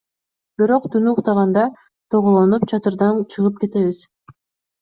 Бирок түнү уктаганда тоголонуп чатырдан чыгып кетебиз.